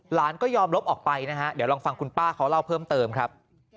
ก็ยอมลบออกไปนะฮะเดี๋ยวลองฟังคุณป้าเขาเล่าเพิ่มเติมครับ